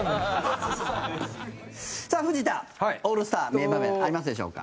藤田、オールスター名場面ありますでしょうか。